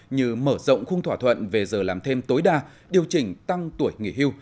như mở rộng khung thỏa thuận về giờ làm thêm tối đa điều chỉnh tăng tuổi nghỉ hưu